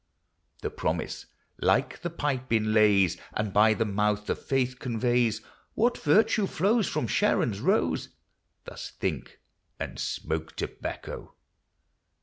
The promise, like the pipe, inlays, And by the mouth of faith conveys What virtue flows From Sharon's rose : Thus think, and smoke tobacco.